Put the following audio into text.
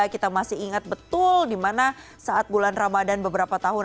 kita masih ingat betul di mana saat bulan ramadan beberapa tahun